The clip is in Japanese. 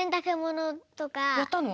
やったの？